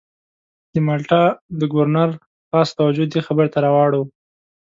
د مالټا د ګورنر خاصه توجه دې خبرې ته را اړوو.